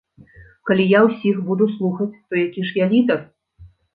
Калі я ўсіх буду слухаць, то які ж я лідар?